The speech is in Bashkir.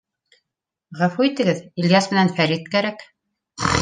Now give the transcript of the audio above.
— Ғәфү итегеҙ, Ильяс менән Фәрит кәрәк ине.